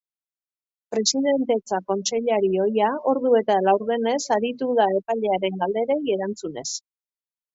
Presidentetza kontseilari ohia ordu eta laurdenez aritu da epailearen galderei erantzunez.